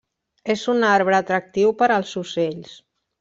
És un arbre atractiu per als ocells.